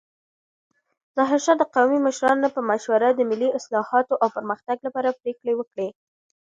ظاهرشاه د قومي مشرانو په مشوره د ملي اصلاحاتو او پرمختګ لپاره پریکړې وکړې.